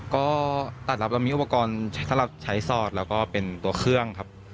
ก็ตัดรับเรามีอุปกรณ์สำหรับใช้สอดแล้วก็เป็นตัวเครื่องครับ